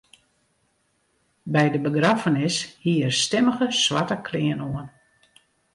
By de begraffenis hie er stimmige swarte klean oan.